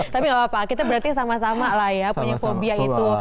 tapi gak apa apa kita berarti sama sama lah ya punya fobia itu